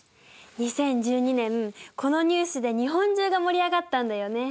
２０１２年このニュースで日本中が盛り上がったんだよね。